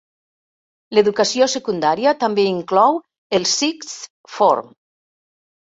L'educació secundària també inclou el 'sixth form'.